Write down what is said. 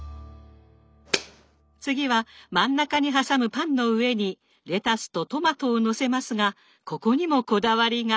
次は真ん中に挟むパンの上にレタスとトマトをのせますがここにもこだわりが！